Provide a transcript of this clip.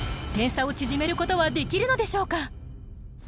点差を縮めることはできるのでしょうか？